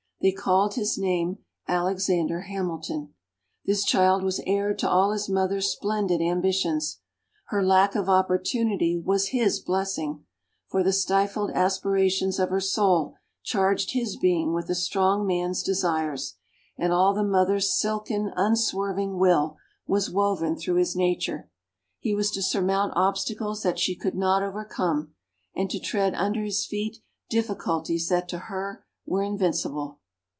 They called his name Alexander Hamilton. This child was heir to all his mother's splendid ambitions. Her lack of opportunity was his blessing; for the stifled aspirations of her soul charged his being with a strong man's desires, and all the mother's silken, unswerving will was woven through his nature. He was to surmount obstacles that she could not overcome, and to tread under his feet difficulties that to her were invincible.